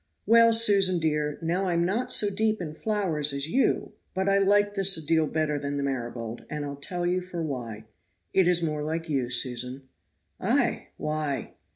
"Well, Susan, dear, now I'm not so deep in flowers as you, but I like this a deal better than the marigold, and I'll tell you for why; it is more like you, Susan." "Ay! why?"